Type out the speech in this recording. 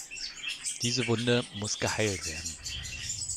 Diese Wunde muss geheilt werden.